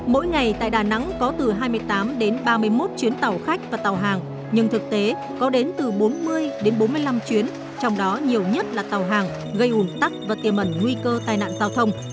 mỗi ngày tại đà nẵng có từ hai mươi tám đến ba mươi một chuyến tàu khách và tàu hàng nhưng thực tế có đến từ bốn mươi đến bốn mươi năm chuyến trong đó nhiều nhất là tàu hàng gây ủn tắc và tiềm ẩn nguy cơ tai nạn giao thông